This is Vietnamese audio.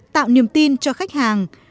tạo niềm tin cho khách hàng